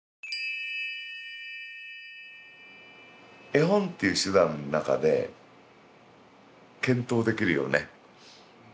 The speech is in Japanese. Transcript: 絵本っていう手段の中で検討できるよね。